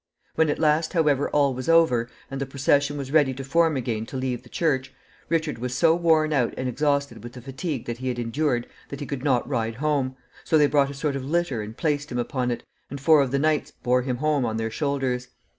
When at last, however, all was over, and the procession was ready to form again to leave the church, Richard was so worn out and exhausted with the fatigue that he had endured that he could not ride home; so they brought a sort of litter and placed him upon it, and four of the knights bore him home on their shoulders.